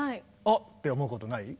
あっ！って思うことない？